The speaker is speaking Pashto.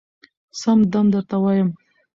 سم دم درته وايم